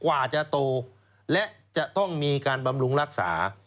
กว่าจะโตและจะต้องมีการบำรุงรักษา